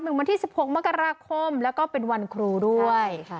หนึ่งวันที่สิบหกมกราคมแล้วก็เป็นวันครูด้วยค่ะ